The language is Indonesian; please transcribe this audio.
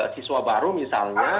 siswa baru misalnya